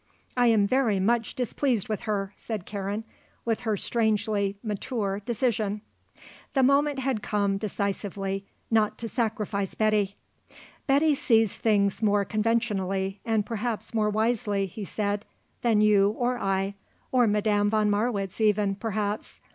I am very much displeased with her," said Karen, with her strangely mature decision. The moment had come, decisively, not to sacrifice Betty. "Betty sees things more conventionally and perhaps more wisely," he said, "than you or I or Madame von Marwitz, even, perhaps.